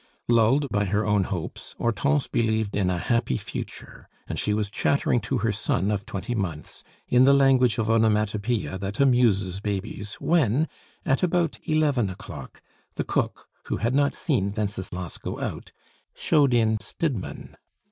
Lulled by her own hopes, Hortense believed in a happy future; and she was chattering to her son of twenty months in the language of onomatopoeia that amuses babes when, at about eleven o'clock, the cook, who had not seen Wenceslas go out, showed in Stidmann.